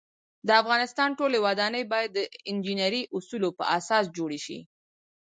د افغانستان ټولی ودانۍ باید د انجنيري اوصولو په اساس جوړې شی